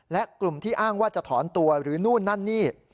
และกลุ่มที่อ้างว่าจะถอนตัวหรือนู่นนั่นนี่